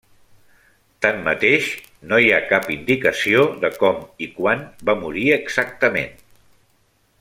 Tanmateix, no hi ha cap indicació de com i quan va morir exactament.